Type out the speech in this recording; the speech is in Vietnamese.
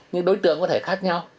nhưng đối tượng có thể khác nhau